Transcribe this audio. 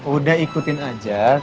udah ikutin aja